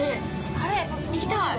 あれ行きたい。